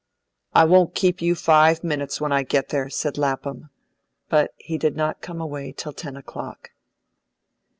"I won't keep you five minutes when I get there," said Lapham; but he did not come away till ten o'clock.